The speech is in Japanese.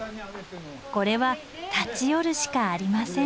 これは立ち寄るしかありません。